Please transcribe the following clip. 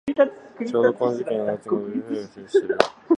ちょうどこの時期にあのカフェでかぼちゃのフェアを開催してるよ。